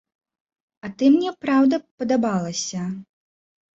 А ты мне, праўда, падабалася.